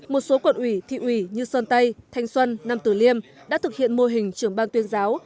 một số quận ủy thị ủy như sơn tây thanh xuân nam tử liêm đã thực hiện mô hình trưởng ban tuyên giáo